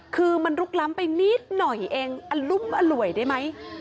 คือมันลุกล้ำไปนิดหน่อยเองอรุ้มอร่วยได้ไหม